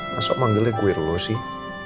masa manggilnya gue dulu lo sih